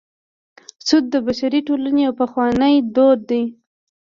سود د بشري ټولنې یو پخوانی دود دی